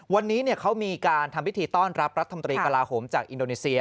วันนี้เนี่ยเขามีการทำพิธีต้อนรับรัฐธรรมตรีกลาโหมจากอินโดนีเซีย